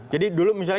jadi dulu misalnya